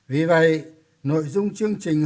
vì vậy nội dung chương trình